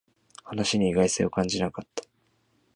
話に意外性を感じなかった